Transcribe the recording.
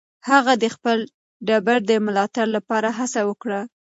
هغه د خپل ټبر د ملاتړ لپاره هڅه وکړه.